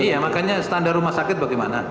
iya makanya standar rumah sakit bagaimana